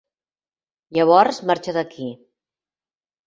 Llavors marxa d'aquí.